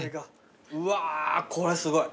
うわこれすごい。